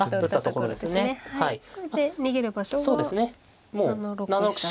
これで逃げる場所は７六飛車。